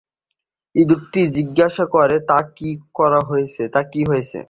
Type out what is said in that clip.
ইঁদুরটি জিজ্ঞাসা করে তার কি হয়েছে।